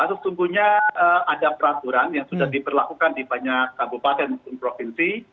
sesungguhnya ada peraturan yang sudah diberlakukan di banyak kabupaten maupun provinsi